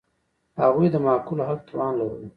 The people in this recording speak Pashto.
هغوی د معقول حل توان لرلو.